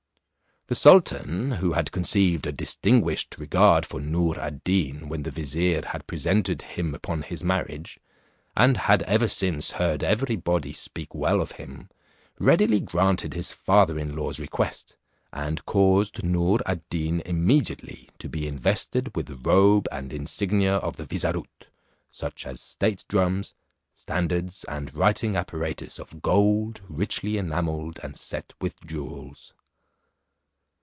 The sultan, who had conceived a distinguished regard for Noor ad Deen when the vizier, had presensed him upon his marriage, and had ever since heard every body speak well of him, readily granted his father in law's request, and caused Noor ad Deen immediately to be invested with the robe and insignia of the vizarut, such as state drums, standards, and writing apparatus of gold richly enamelled and set with jewels.